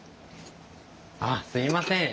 ああすいません。